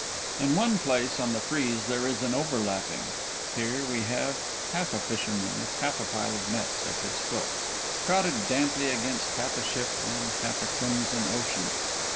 In one place on the frieze there is an overlapping here we have half a fisherman with half a pile of nets at his foot, crowded damply against half a ship on half a crimson ocean.